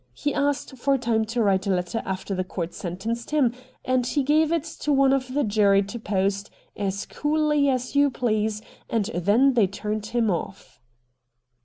He asked for time to write a letter after the court sentenced him, and he gave it to one of the jury to post, as coolly as you please, and then they turned him off.'